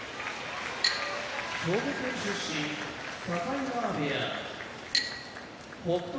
兵庫県出身境川部屋北勝